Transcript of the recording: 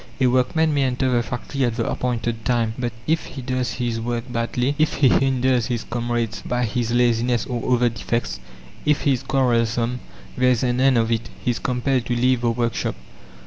a workman may enter the factory at the appointed time, but if he does his work badly, if he hinders his comrades by his laziness or other defects, if he is quarrelsome, there is an end of it; he is compelled to leave the workshop.